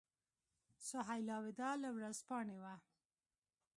سهیلا وداع له ورځپاڼې وه.